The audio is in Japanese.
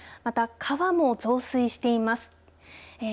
また川も増水しています。